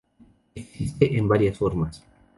Existe en varias formas.